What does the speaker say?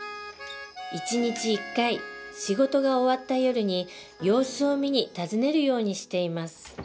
一日１回仕事が終わった夜に様子を見に訪ねるようにしています